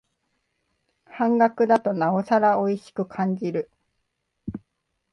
半額だとなおさらおいしく感じる